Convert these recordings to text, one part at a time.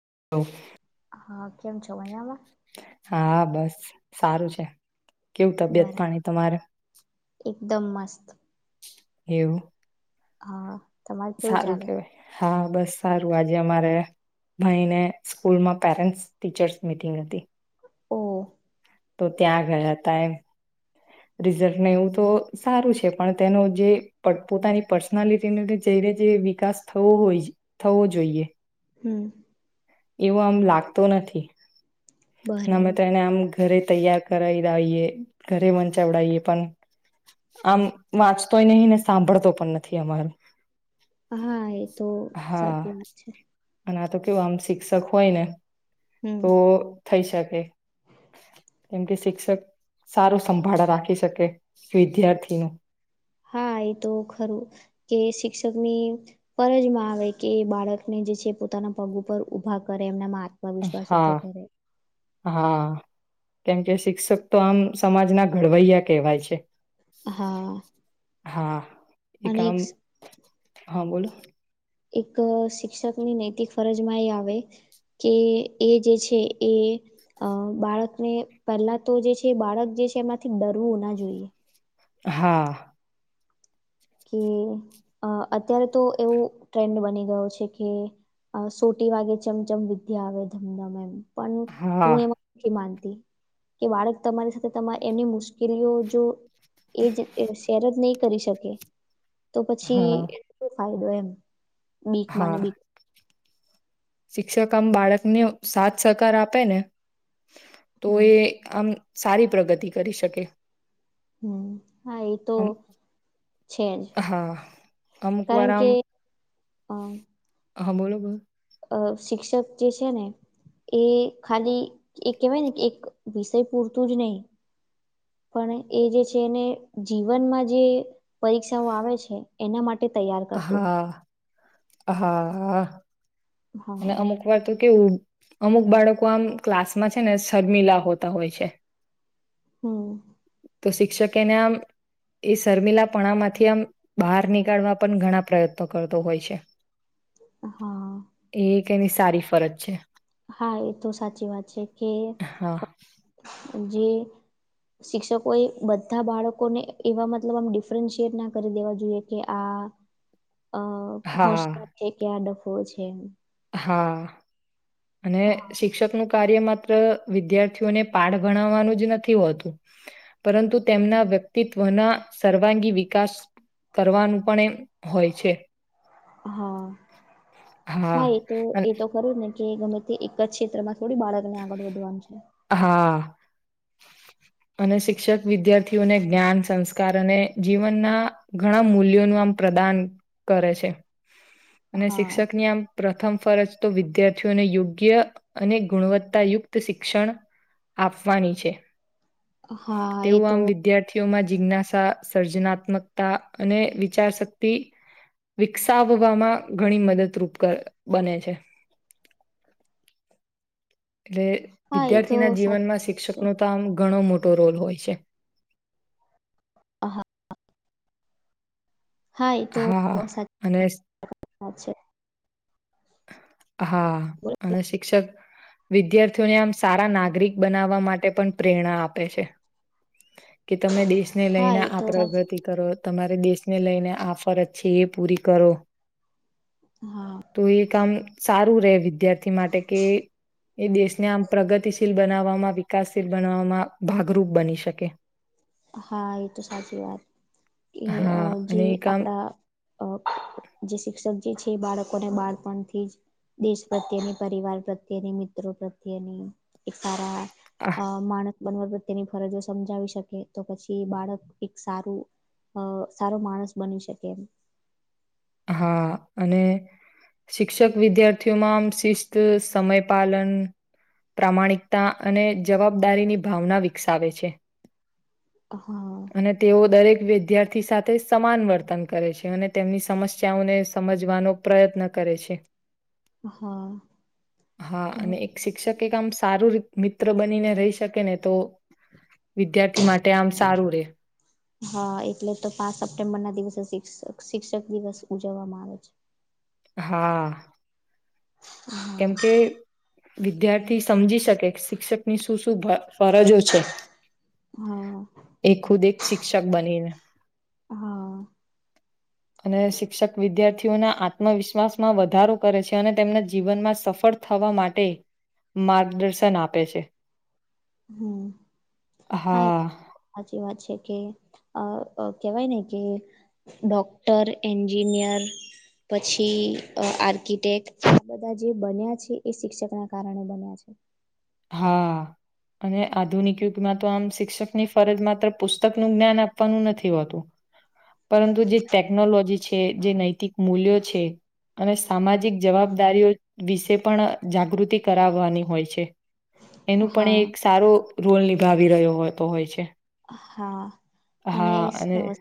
હ [unintelligible] હા કેમ છો અહયામાં. હા બસ સારું છે કેવું તબિયત બરા પાણી તમારે. એકદમ મસ્ત. એવું. હા. તમારે કેવું સારું ચાલે કેવાય હા બસ સારું આજે અમારે. મા એને સ્કૂલમાં પેરેન્ટ્સ ટીચર્સ મિટિંગ હતી. ઓ. તો ત્યાં ગયા હતા એમ. રિઝલ્ટને એવું તો સારું છે પણ તેનો જે પોતાની પર્સનાલિટીનું. જેને જે વિકાસ થવો હોય થવો જોઈએ. હમ. એવું આમ લાગતો નથી અમે બરાબર તો એને આમ ઘરે. તૈયાર કરાવ દાવએ ઘરે મંચાવડાવીએ પણ. આમ વાંચતોય નહિ ને સાંભળતો પણ નથી અમારો. હા એ તો સાચી વાત છે. અને આ તો કેવું આમ શિક્ષક હોય ને હમ તો થઈ શકે. એમ કે શિક્ષક. સારું સંભાળ રાખી શકે વિદ્યાર્થીનું. હા એ તો ખરું કે શિક્ષક ની ફરજમાં આવે કે બાળકને. જે છે પોતાના પગ ઉપર ઉભા કરે એમનામાં આત્મવિશ્વાસ ઉભો હા કરે. હા કેમકે શિક્ષક તો આમ સમાજના ઘડવૈયા કહેવાય છે.. હા. હા એ અને એક કામ હા બોલો. એક શિક્ષક ની નૈતિક ફરજમાં એ આવે. કે એ જે છે એ બાળકને પહેલા તો જે છે બાળક જે. એમાંથી ડરવું ના જોઈએ. હા. કે અ અત્યારે તો એવું ટ્રેન્ડ બની ગયો છે કે. સોટી વાગે ચમચમ વિદ્યા આવે ધમધમ એમ પણ હા હું એમાં માનતી. કે બાળક તમારી સાથે એમની મુશ્કેલીઓ જો. એ જ શેર જ નહી કરી શકે. તો પછી હા એ શ ફાયદો એમ બીકમાં હા બીક. શિક્ષક આમ બાળકને સાથ સહકાર આપે ને. તો હમ એ આમ સારી પ્રગતિ કરી શકે. હમ. હા એ તો આમ છેજ હા અમુક વાર કારણ આમ કે. અ હા બોલો બોલો અ શિક્ષક જે છે ને. એ ખાલી એ કેવીરીતે એક વિષય પૂરતું જ નહીિ. પણ એ જે છે એને જીવનમાં જે. પરીક્ષાઓ આવે છે એના માટે તૈયાર કરતું હો. હા હા અને હા અમુક વાત. કે અમુક બાળકો આમ ક્લાસમાં છે ને શર્મિલા હોતા હોય છે. હમ. તો શિક્ષકે એને આમ. એ શર્મીલાપણામાંથી આમ બહાર નીકળવા પણ ઘણા પ્રયત્નો કરતો હોય છે. હા એ ક એની સારી ફરજ છે. હા એ તો સાચી વાત છે કે હા જે. શિક્ષકો એ બધા બાળકોને એવા મતલબ આમ ડિફરન્શિએટ ના કરી દેવા જોઈએ કે આ. [inaudible] અ હા હોશિયાર છે કે આ ડફો છે. હા અને શિક્ષકનુંું કાર્ય મા. વિદ્યાર્થીઓને પાઠ ભણાવવાનું જ નથી હોતું પરંતુ તેમના વ્યક્તિત્વ. ઘના સર્વાંગી વિકાસ કરવાનું પણ એમ હોય છે. હા હા એ તો અને એ તો ખરું જ ને કે ગમે તે એક જ ક્ષેત્રમાં. થોડી બાળક ને આગળ વધવાનું છે. હા અને શિક્ષક વિદ્યાર્થીઓને જ્ઞાન સંસ્કાર અને જીવનના ઘણા મૂલ્યોનું આમ. પ્રદાન કરે છે. અને શિક્ષક હા ની આમ પ્રથમ ફરજ તો વિદ્યાર્થીઓને યોગ્ય. અને ગુણવત્તાયુક્ત શિક્ષણ આપવાની છે. હા એ તેવું તો આમ વિદ્યાર્થીઓમાં. જિજ્ઞાસા સર્જનાત્મકતા અને વિચાર શક્તિ. વિકસાવવામાં ઘણી મદદરૂપ બને છે. [inaudible] [inaudible] એટલે હા એ વિદ્યાર્થી તો ના જીવન સાચી માં વાત શિક્ષક છે ન તો આમ ઘણો મોટો. મોટ રોલ હોય છે. હા હા તો હા સાચ અને વાત છે. હા અને શિક્ષક. વિદ્યાર્થીઓને આમ સારા નાગરિક બનાવવા માટે પણ પ્રેરણા આપે છે. કે તમે દેશને હા લઈને એ આ તો સાચી પ્રગતિ કરો. તમારે દેશને લઈને આ ફરજ છે એ પૂરી કરો. હા. તો એ કામ સારું રહે વિદ્યાર્થી માટે કે. એ દેશને આમ પ્રગતિશીલ બનાવવામાં વિકાસશીલ બનાવવામાં ભાગરૂપ બની શકે. હા એ તો સાચી વાત કે હા જે અને એ કામ આપડા. અ [inaudible] જે શિક્ષક જે છે બાળકોને બાળપણથી જ. દેશ પ્રત્યેની પરિવાર પ્રત્યેની મિત્રો પ્રત્યેની એક સારા. આહ, અ માણસ બનવા પ્રત્યેની ફરજો સમજાવી શકે. તો પછી બાળક એક સારું સારો માણસ બની શકે એમ. હા અને શિક્ષક વિદ્યાર્થીઓમાં આમ શિસ્ત સમય પાલન પ્રામાણિકતા અને જવાબદારીની ભાવના વિકસાવે છે. હા અને તેઓ દરેક વિદ્યાર્થી સાથે સમાન વર્તન કરે છે અને તેમની સમસ્યા બચાઓને સમજવાનો પ્રયત્ન કરે છે. હા હા અને એક શિક્ષક આમ સારું મિત્ર બનીને રહી શકે ને તો વિદ્યાર્થી માટે આમ સારું રે હા. એટલે તો પાંચ સપ્ટેમ્બર ના દિવસે શી શિક શિક્ષક દિવસ ઉજવવામાં આવે છે. હા. હા કેમ કે વિદ્યાર્થી સમજી શકે શિક્ષકની શું-શું ફરજો છે. હા. એ ખુદ એક શિક્ષક બનીને હા. અને શિક્ષક વિદ્યાર્થીઓના આત્મવિશ્વાસ માં વધારો કરે છે. અને તેમના જીવનમાં સફળ થવા માટે માર્ગદર્શન આપે છે. હમ હા. સાચી વાત છે કે કેવાય ને કે ડોક્ટર એન્જિન પૂન્યર પછી આર્કિટેક્ટ આ બધા જે બન્યા છે. એ શિક્ષક ના કારણે બન્યા છે. હા. અને આધુનિક યુગમાં તો આમ શિક્ષકની ફરજ માત્ર પુસ્તક ન જ્ઞાન આપવાનું નથી હોતું. પરંતુ જે ટેકનોલોજી છે જે નૈતિક મૂલ્યો છે. અને સામાજિક જવાબદારીઓ વિશે પણ જાગૃતિ કરાવવાની હોય છે. એનું પણ એ હા. એક સારો રોલ નિભાવી રહ્યોતો હોય છે. હા અને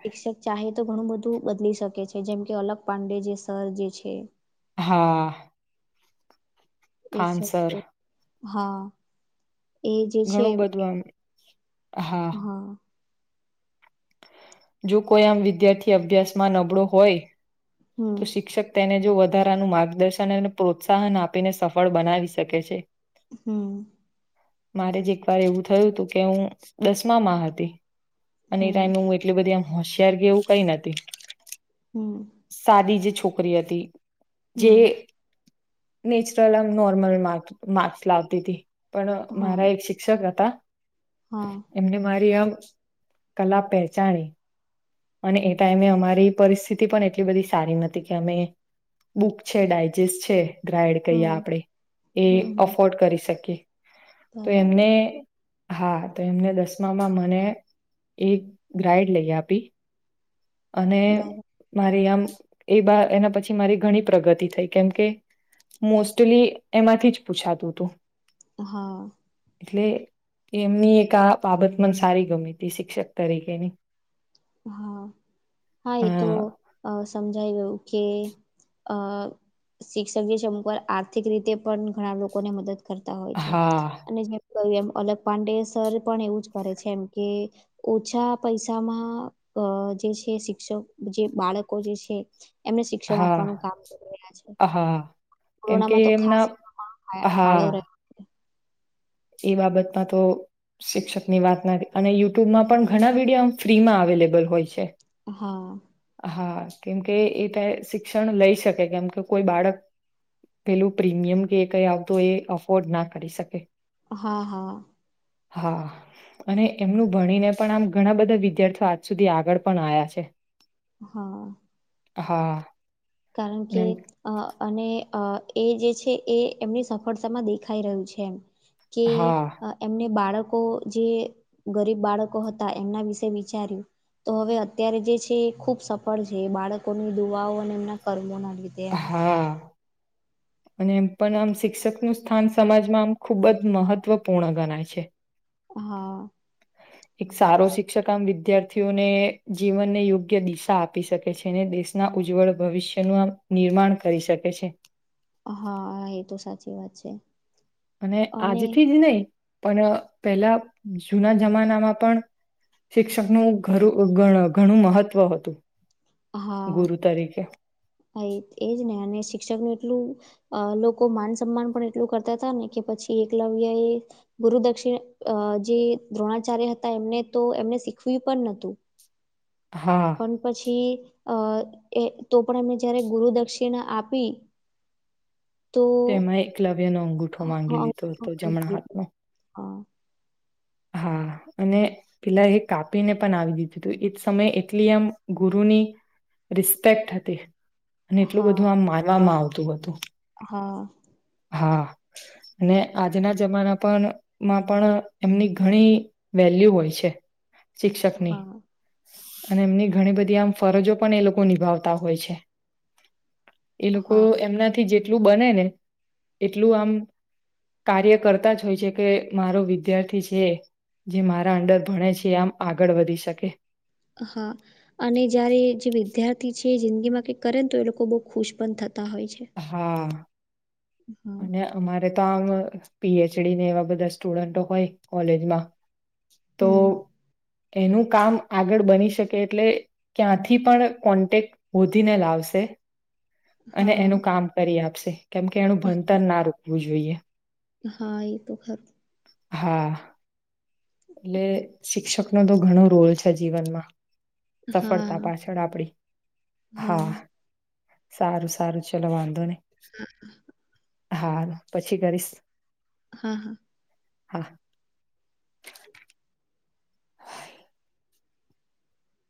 શિક્ષક ચાહે તો ઘણું બધું બદલી શકે છે. જેમ કે અલગ પાંડે જે સર જે છે. હા. એ સર ખાનસર. હા. એ જે છે. ઘણું બધું આમ હા. જો કોઈ આમ વિદ્યાર્થી અભ્યાસમાં નબળો હોય હમ તો શિક્ષક તેને વધારાનું માર્ગદર્શન અને પ્રોત્સાહન આપીને સફળ બનાવી શકે છે. હમ. મારે જ એકવાર એવું થયું હતું કે હું દસમામાં હતી અને એ હમ ટાઈમે હું એટલી બધી આમ હોશિયાર ગ એવું કઈ નથી. હમ. સાદી જે છોકરી હતી જે હમ નેચરલ આમ નોર્મલ માક માર્ક્સ લાવતી હતીથી. પણ હા મારા એક શિક્ષક હતા હા એમને મારી આમ કલા પહેચાની અને એ ટાઈમે અમારી પરિસ્થિતિ પણ એઆ એટલી બધી સારી નથી કે અમે બુક છે. ડાયજેસ્ટ છે. ગ્રાઈડ કહી હમ આપણે એ હમ હમ અફોર્ડ કરી શકીએ તો બરાબર એમને હા તો એમને દસમામાં મને એક ગાઈડ લઈ આપી. અને બરા મારી આમ એ બા એના પછી મારી ઘણી પ્રગતિ થઈ. કેમકે મોસ્ટલી એમાંથી જ પૂછાતું હતું. હા. એટલે એમની એક આ બાબત મને સારી ગમ હતી. શિક્ષક તરીકેની. હા. હા અ એ તો સમજાઈ ગયું કે અ શિક્ષક સમુકર આર્થિક રીતે પણ ઘણા લોકોને મદદ. કરતા હોય છે હા અને. ક એમ અલગ પાંડે સર પણ એવું જ કરે છે એમ કે ઓછા પૈસામાં. અ જે છે શિક્ષક જે બાળકો જે છે. એમને શિક્ષણ હા આપવાનું કામ કરી રહ્યા છે. હા કેમ કે કોરોનામાં તો ખાસ એમના ફાળો હા રહ્યો. એ બાબતમાં તો. શિક્ષક ની વાત ના અને યુટ્યુબમાં પણ ઘણા વિડીયો ફ્રીમાં અવેલેબલ હોય છે. હા. હા કેમકે એ ત શિક્ષણ લઈ શકે કેમ કે કોઈ બાળક. પેલું પ્રીમિયમ કે કઈ આવતું એ અફોર્ડ ના કરી શકે. હા હા. હા અને એમનું ભણીને પણ આમ ઘણા બધા વિદ્યાર્થીઓ આજ સુધી આગળ પણ આવ્યા છે. હા. હા. કારણ કે અને અ અને. અ એ જે છે એ એમની સફળતામાં દેખાઈ રહ્યું છે એમ. કે હા એમને બાળક. જે ગરીબ બાળકો હતા એમના વિશે વિચાર્યું. તો હવે અત્યારે જે છે એ ખુબ સફળ છે બાળકોની દુવાઓ અને એમના કર્મોના. લીધે એમ હા. અને એમ પણ આમ શિક્ષકનુંું સ્થાન સમાજમાં આમ ખૂબ જ મહત્વપૂર્ણ ગણાય છે. હા. એક સારો શિક્ષક આમ વિદ્યાર્થીઓને જીવનને યોગ્ય દિશા આપી શકે છે. દેશના ઉજ્જવળ ભવિષ્યનું નિર્માણ કરી શકે છે. હા એ તો સાચી વાત છે. અને આજથી જ નહીં પણ પેલા જુના જમાનામાં પણ. શિક્ષકનુંું ઘરું ઘણું મહત્વ હતું. ગુરુ તરીકે હા એજ ને અને શિક્ષક ન એટલું. અ લોકો માન સન્માન પણ એટલું કરતા હતા ને કે પછી એકલવ્ય એ ગુરુ દક્ષિણ. જે દ્રોણાચાર્ય હતા એમને તો એમને શીખવ્યું પણ નતું. હા પણ પછી. અ એ તો પણ અમે જયારે ગુરુ દક્ષિણા આપી. તો તેમાં એકલવ્યનો અંગૂઠો હ માંગી લીધો હતો જમણા હાથનો હા. હા. અને પેલા એ કાપીને પણ આવી દીધું હતું એજ સમય એટલી આમ ગુરુની. રિસ્પેક્ટ હતી અને એટલું હા બધું આમ માનવામાં આવતું હતું. હા. હા અને આજના જમાના પણ માં પણ. એમની ઘણી વેલ્યુ હોય છે શિક્ષકની. હા અને એમની ઘણી બધી આમ ફરજો પણ એ લોકો નિભાવતા હોય છે. એ લોકો હા એમનાથી જેટલું બને ને એટલું આમ. કાર્ય કરતા જ હોય છે કે મારો વિદ્યાર્થી. છે જે મારા અંદર ભણે છે આમ આગળ વધી શકે. હા અને જયારે જે વિદ્યાર્થી છે જિંદગી માં કઈક કરે ને તો એ લોકો બહુ ખુશ પણ થતા. તા હોય છે. હા હા અને અમારે તો આમ. પીએચડીને એવા બધા સ્ટુડન્ટો હોય કોલેજમાં તો. હમ એનું કામ આગળ બની શકે એટલે ક્યાંથી પણ કોન્ટેક્ટ શોધીને લાવશે. અને હા એનું કામ કરી આપશે કેમકે એનું ભણતર ના રોકવું જોઈએ. હા એ તો કરી હા એટલે શિક્ષક નો તો ઘણો રોલ છે જીવનમાં સફળતા પાછળ આપડી હા સારું સારું ચલોવાંધો નહી હું હા પછી કરીશ હા હા હા